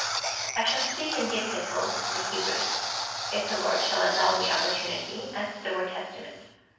I shall speak in the Epistle to the Hebrews, if the Lord shall allow me opportunity, as to the word testament.